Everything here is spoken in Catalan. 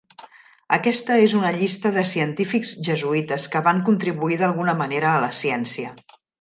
Aquesta és una llista de científics jesuïtes que van contribuir d'alguna manera a la ciència.